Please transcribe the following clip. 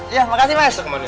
ya makasih mas